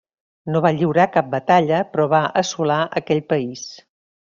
No va lliurar cap batalla però va assolar aquell país.